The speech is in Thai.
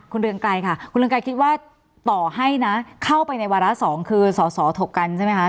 คุณเรืองไกรคิดว่าต่อให้เนี้ยเข้าไปในวาระสองคือสอสอถกันใช่มั้ยคะ